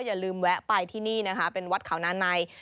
อย่าลืมแวะไปที่นี่วัดขาวนานใน